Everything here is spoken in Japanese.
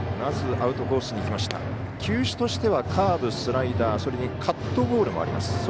球種としてはカーブ、スライダーそれにカットボールもあります。